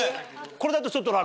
これだとちょっと楽？